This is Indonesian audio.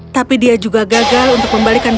tapi dia juga gagal untuk membalikan